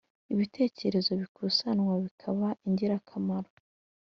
ibitekerezo bikusanywa bikaba ingirakamaro